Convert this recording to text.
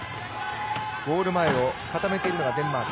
ゴール前を固めてるのがデンマーク。